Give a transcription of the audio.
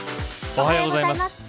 おはようございます。